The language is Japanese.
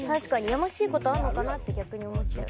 やましい事あんのかなって逆に思っちゃう。